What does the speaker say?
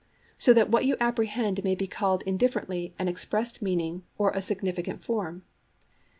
So that what you apprehend may be called indifferently an expressed meaning or a significant form.